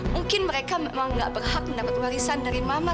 mungkin mereka memang nggak berhak mendapat warisan dari mama